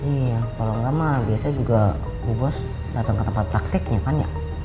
iya kalo enggak mah biasanya juga ibu bos dateng ke tempat praktiknya kan ya